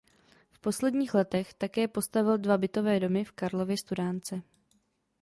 V posledních letech také postavil dva bytové domy v Karlově Studánce.